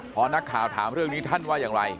พอนักข่าวถามเรื่องนี้ท่านว่าอย่างไร